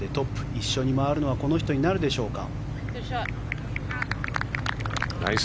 一緒に回るのはこの人になるでしょうか。